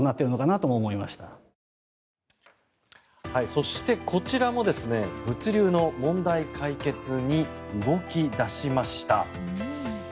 そして、こちらも物流の問題解決に動き出しました。